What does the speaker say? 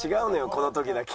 この時だけ。